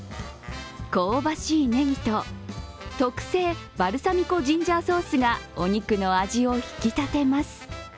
香ばしいねぎと、特製バルサミコジンジャーソースがお肉の味を引き立てます。